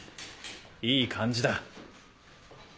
いい感じだ。